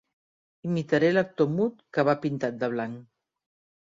Imitaré l'actor mut que va pintat de blanc.